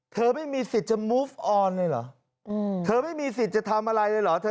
เธอไม่มีสิทธิ์จะมูฟออนเลยเหรอเธอไม่มีสิทธิ์จะทำอะไรเลยเหรอเธอ